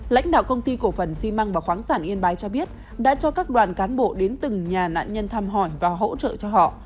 lãnh đạo công ty cổ phần xi măng và khoáng sản yên bái cho biết đã cho các đoàn cán bộ đến từng nhà nạn nhân thăm hỏi và hỗ trợ cho họ